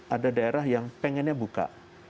ada daerah yang pengennya buka